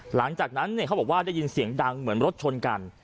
หลังจากนั้นเขาบอกว่าได้ยินเสียงดังเหมือนรถชนกัน